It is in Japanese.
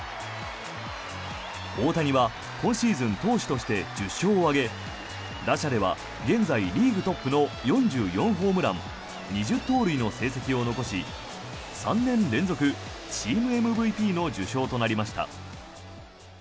大谷は今シーズン投手として１０勝を挙げ打者では現在リーグトップの４４ホームラン、２０盗塁の成績を残し３年連続チームＭＶＰの受賞となりました。